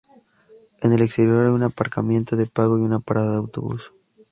En el exterior hay un aparcamiento de pago y una parada de autobús.